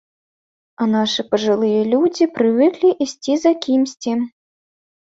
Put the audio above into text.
А нашы пажылыя людзі прывыклі ісці за кімсьці.